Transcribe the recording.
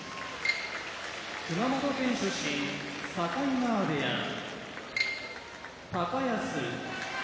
熊本県出身境川部屋高安